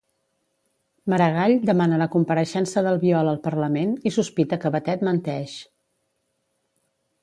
Maragall demana la compareixença d'Albiol al Parlament i sospita que Batet menteix.